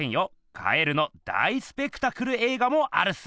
蛙の大スペクタクルえい画もあるっす！